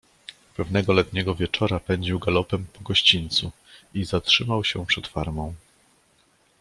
"Pewnego letniego wieczora pędził galopem po gościńcu i zatrzymał się przed farmą."